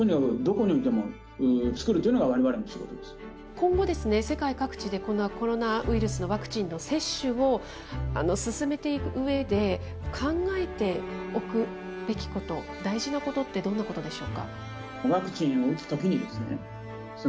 今後、世界各地で、このコロナウイルスのワクチンの接種を進めていくうえで、考えておくべきこと、大事なことってどんなことでしょう？